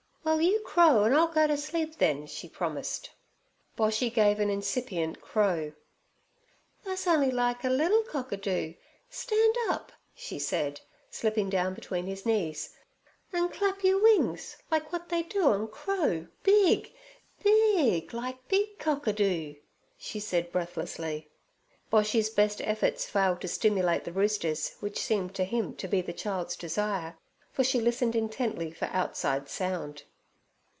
'Well, you crow, an' I'll go t' sleep then' she promised. Boshy gave an incipient crow. 'Tha's on'y like little cock a doo. Stand up' she said, slipping down between his knees, 'an' clap yer wings, like w'at they do, an' crow big—b—i g, like big cock a doo' she said breathlessly. Boshy's best efforts failed to stimulate the roosters, which seemed to him to be the child's desire, for she listened intently for outside sound.